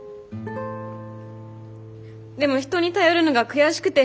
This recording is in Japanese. でも人に頼るのが悔しくて。